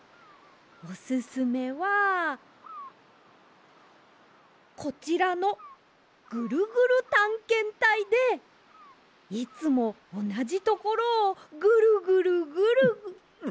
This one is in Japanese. オススメはこちらの「ぐるぐるたんけんたい」でいつもおなじところをぐるぐるぐるぐる。